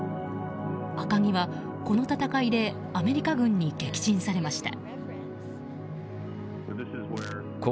「赤城」は、この戦いでアメリカ軍に撃沈されました。